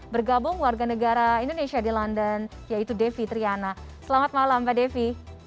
bergabung warga negara indonesia di london yaitu devi triana selamat malam mbak devi